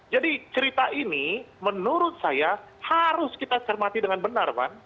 jadi cerita ini menurut saya harus kita cermati dengan benar van